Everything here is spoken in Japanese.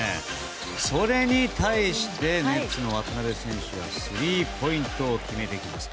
それに対して渡邊選手がスリーポイントを決めていきます。